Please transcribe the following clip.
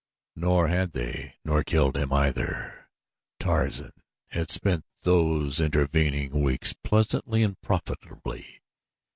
Nor had they, nor killed him either. Tarzan had spent those intervening weeks pleasantly and profitably.